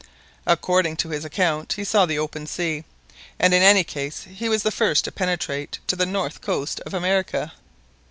According to his own account, he saw the open sea, and in any case he was the first to penetrate to the northern coast of America."